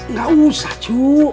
enggak usah cu